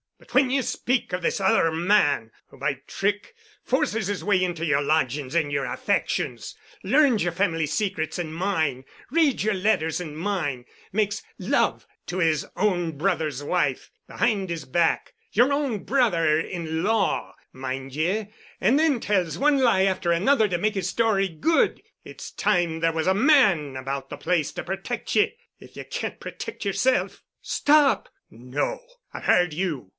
But when ye speak of this other man who by a trick forces his way into yer lodgings and yer affections, learns yer family secrets and mine, reads yer letters and mine, makes love to his own brother's wife behind his back,—yer own brother in law, mind ye—and then tells one lie after another to make his story good, its time there was a man about the place to protect ye, if ye can't protect yerself——" "Stop——!" "No. I've heard you.